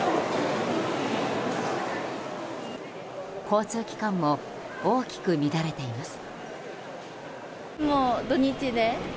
交通機関も大きく乱れています。